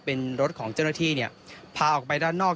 เป็นรถของเจ้าหน้าที่เนี่ยพาออกไปด้านนอก